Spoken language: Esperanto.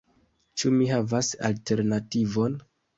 Ĉu mi havas alternativon?